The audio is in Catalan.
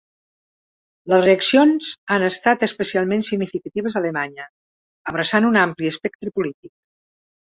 Les reaccions han estat especialment significatives a Alemanya, abraçant un ampli espectre polític.